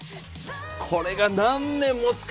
これが何年持つか。